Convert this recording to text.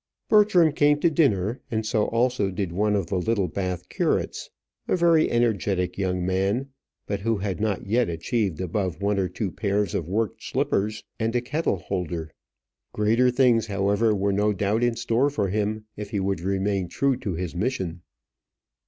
Bertram came to dinner; and so also did one of the Littlebath curates, a very energetic young man, but who had not yet achieved above one or two pairs of worked slippers and a kettle holder. Greater things, however, were no doubt in store for him if he would remain true to his mission.